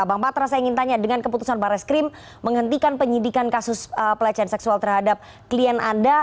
bang patra saya ingin tanya dengan keputusan barreskrim menghentikan penyidikan kasus pelecehan seksual terhadap klien anda